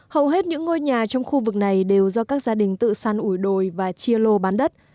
hầu hết những ngôi nhà trong khu vực này đều do các gia đình tự săn ủi đồi và chia lô bán đất